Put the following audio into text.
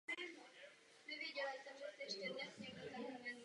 Pouze velmi velké dávky mohou způsobit nevolnost a průjem.